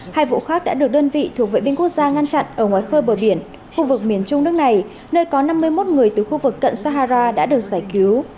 hai vụ khác đã được đơn vị thuộc vệ binh quốc gia ngăn chặn ở ngoài khơi bờ biển khu vực miền trung nước này nơi có năm mươi một người từ khu vực cận sahara đã được giải cứu